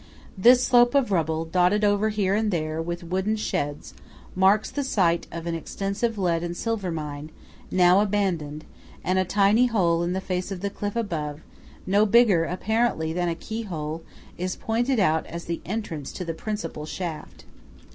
This slope of rubble, dotted over here and there with wooden sheds, marks the site of an extensive lead and silver mine, now abandoned; and a tiny hole in the face of the cliff above, no bigger apparently than a keyhole, is pointed out as the entrance to the principal shaft.